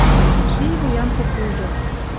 Ший вуян кукужо